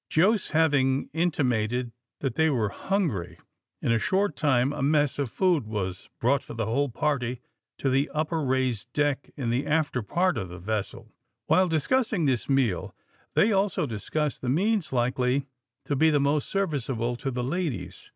Jos having intimated that they were hungry, in a short time a mess of food was brought for the whole party to the upper raised deck in the afterpart of the vessel. While discussing this meal, they also discussed the means likely to be most serviceable to the ladies.